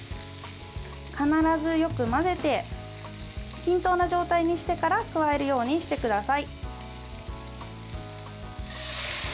必ず、よく混ぜて均等な状態にしてから加えるようにしてください。